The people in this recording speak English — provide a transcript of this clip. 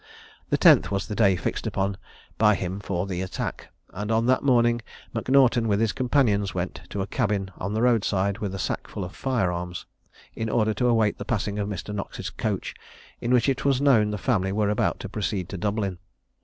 The 10th was the day fixed upon by him for the attack; and on that morning M'Naughton, with his companions, went to a cabin on the road side with a sack full of fire arms, in order to await the passing of Mr. Knox's coach, in which it was known the family were about to proceed to Dublin.